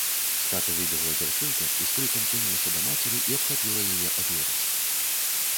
З хаты выбегла дзяўчынка і з крыкам кінулася да мацеры і ахапіла яе аберуч.